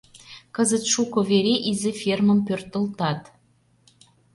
— Кызыт шуко вере изи фермым пӧртылтат.